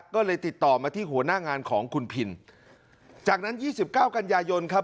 ก็เลยติดต่อมาที่หัวหน้างานของคุณพินจากนั้นยี่สิบเก้ากันยายนครับ